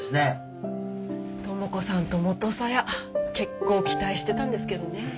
智子さんと元サヤ結構期待してたんですけどね。